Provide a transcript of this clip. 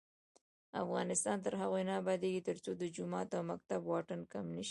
افغانستان تر هغو نه ابادیږي، ترڅو د جومات او مکتب واټن کم نشي.